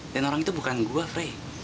dan orang itu bukan gue frey